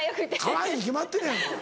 かわいいに決まってるやんか。